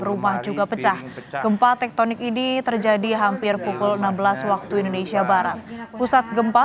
rumah juga pecah gempa tektonik ini terjadi hampir pukul enam belas waktu indonesia barat pusat gempa